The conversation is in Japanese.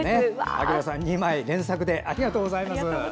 章さん連作で、ありがとうございます。